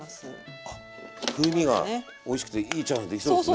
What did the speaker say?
あっ風味がおいしくていいチャーハンができそうですね。